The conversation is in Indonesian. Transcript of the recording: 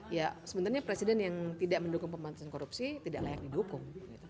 ya sebenarnya presiden yang tidak mendukung pemantasan korupsi tidak layak didukung